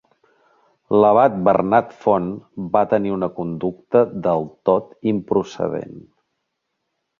L'abat Bernat Font va tenir una conducta del tot improcedent.